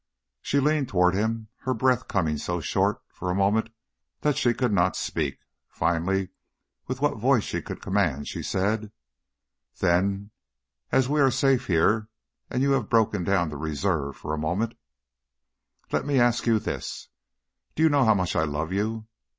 She leaned toward him, her breath coming so short for a moment that she could not speak. Finally, with what voice she could command she said, "Then, as we are safe here and you have broken down the reserve for a moment, let me ask you this: Do you know how much I love you?